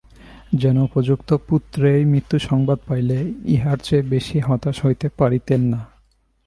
যেন উপযুক্ত পুত্রের মৃত্যু-সংবাদ পাইলে ইহার চেয়ে বেশি হতাশ হইতে পারিতেন না।